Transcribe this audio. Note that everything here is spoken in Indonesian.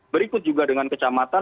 berikut juga dengan kecamatan